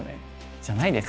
じゃないですか？